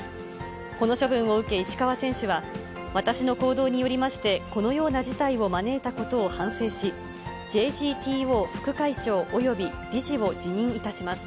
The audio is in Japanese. この処分を受け、石川選手は、私の行動によりまして、このような事態を招いたことを反省し、ＪＧＴＯ副会長および理事を辞任いたします。